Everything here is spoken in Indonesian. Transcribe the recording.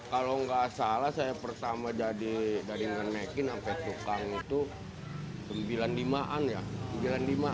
kalau nggak salah saya pertama jadi dari ngekin sampai tukang itu sembilan puluh lima an ya